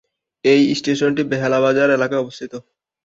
এই স্টেশনটি বেহালা বাজার এলাকাতে অবস্থিত।